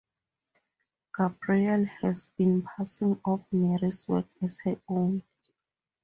Gabrielle has been passing off Mary's work as her own.